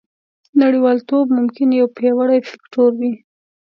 نړیوالتوب ممکن یو پیاوړی فکتور وي